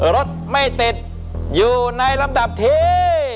รถไม่ติดอยู่ในลำดับที่